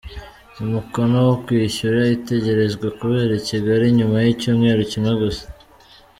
Umukno wo kwishyura utegerejwe kubera I Kigali nyuma y’icyumweru kimwe gusa